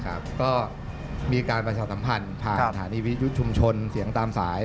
ก็มีการประชาสัมพันธ์ผ่านสถานีวิทยุชุมชนเสียงตามสาย